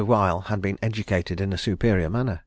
Weil had been educated in a superior manner.